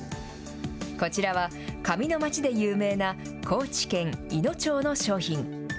こちらは、紙の町で有名な高知県いの町の商品。